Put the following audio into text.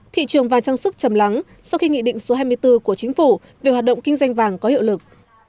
thị trường vàng trang sức chầm lắng sau khi nghị định số hai mươi bốn của chính phủ về hoạt động kinh doanh vàng có hiệu lực